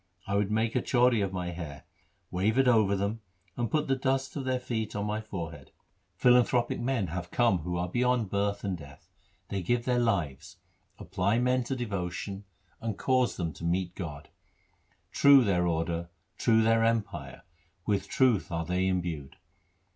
1 would make a chauri of my hair, wave it over them, and put the dust of their feet on my forehead. 1 Asa. LIFE OF GURU HAR GOBIND 15 Philanthropic men have come who are beyond birth and death ; They give their lives, apply men to devotion, and cause them to meet God. True their order ; true their empire ; with truth are they imbued.